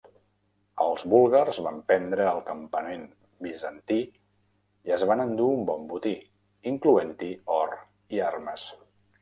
Els búlgars van prendre el campament bizantí i es van endur un bon botí, incloent-hi or i armes.